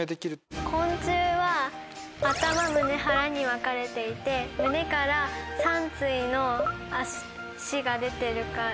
昆虫は頭胸腹に分かれていて胸から３対の脚が出てるから。